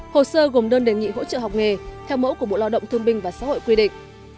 hồ sơ gồm đơn đề nghị hỗ trợ học nghề theo mẫu của bộ lao động thương binh và xã hội quy định